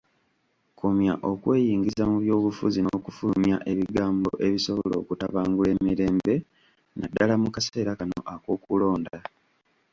Komya okweyingiza mu by'obufuzi n'okufulumya ebigambo ebisobola okutabangula emirembe naddala mu kaseera kano ak'okulonda.